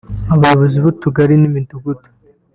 Abayobozi b’utugari n’imidugudu